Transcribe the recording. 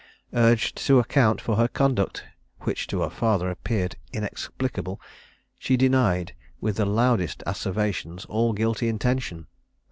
Urged to account for her conduct, which to her father appeared inexplicable, she denied, with the loudest asseverations, all guilty intention.